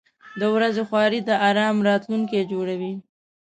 • د ورځې خواري د آرام راتلونکی جوړوي.